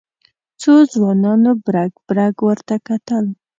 څو ځوانانو برګ برګ ورته کتل.